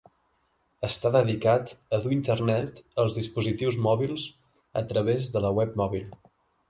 Està dedicat a dur Internet als dispositius mòbils a través de la Web Mòbil.